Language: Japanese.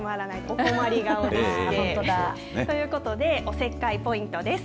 お困り顔でして。ということでおせっかいポイントです。